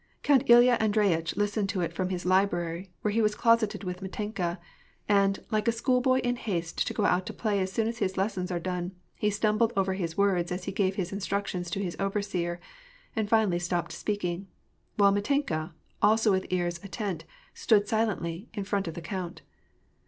Count Ilya Andreyitch listened to it from his librai y, where he was closeted with Mitenka ; and, like a schoolboy in haste to go out to play as soon as his lessons are doue, he stumbled over his words as he gave his instructions to his overseer, and finally stopped speaking ; while Mitenka, also with ears attent, stood silently, in front of the count.